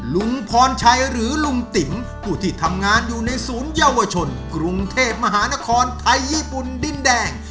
ลุงพรชัยหรือลุงติ๋มผู้ที่ทำงานอยู่ในศูนยวชนกรุงเทพมหานครไทยญี่ปุ่นดินแดง